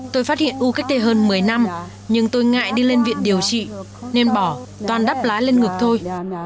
tôi phát hiện u cách đây hơn một mươi năm nhưng tôi ngại đi lên viện điều trị nên bỏ toàn đắp lá lên ngực thôi